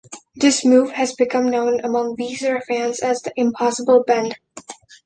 This move has become known among Weezer fans as the impossible bend.